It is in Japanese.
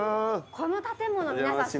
この建物皆さん